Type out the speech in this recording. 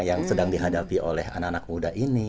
yang sedang dihadapi oleh anak anak muda ini